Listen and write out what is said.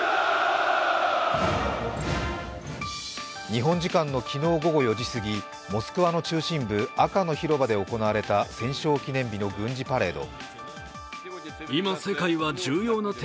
日本時間の昨日午後４時すぎ、モスクワの中心部、赤の広場で行われた戦勝記念日の軍事パレード。